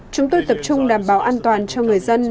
chúng tôi tập trung đảm bảo an toàn cho người dân